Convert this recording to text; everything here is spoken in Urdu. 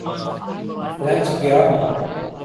French Guiana